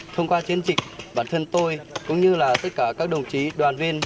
thông qua chiến dịch bản thân tôi cũng như là tất cả các đồng chí đoàn viên